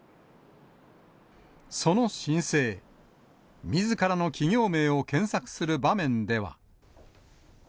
その申請、みずからの企業名を検索する場面では。